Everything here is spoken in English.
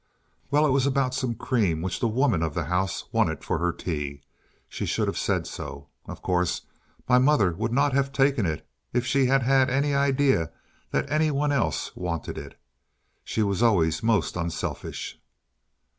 "Well, it was about some cream which the woman of the house wanted for her tea. She should have said so. Of course, my mother would not have taken it if she had had any idea that any one else wanted it. She was always most unselfish."